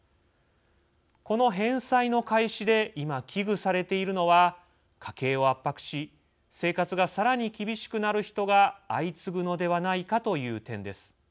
この返済の開始で今、危惧されているのは家計を圧迫し生活がさらに厳しくなる人が相次ぐのではないかという点です。